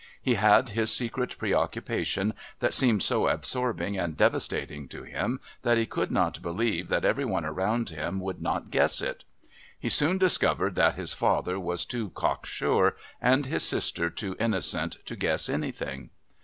He had his secret preoccupation that seemed so absorbing and devastating to him that he could not believe that every one around him would not guess it. He soon discovered that his father was too cock sure and his sister too innocent to guess anything.